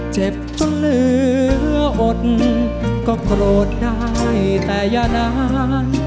และเหลืออดก็โกรธได้แต่อย่านาน